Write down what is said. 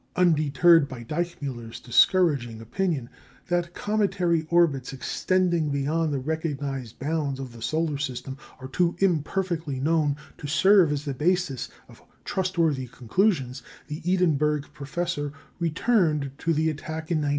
Undeterred by Deichmüller's discouraging opinion that cometary orbits extending beyond the recognised bounds of the solar system are too imperfectly known to serve as the basis of trustworthy conclusions, the Edinburgh Professor returned to the attack in 1901.